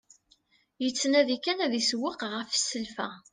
Yettnadi kan ad isewweq ɣef selfa.